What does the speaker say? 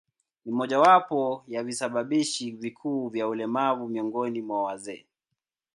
Ni mojawapo ya visababishi vikuu vya ulemavu miongoni mwa wazee.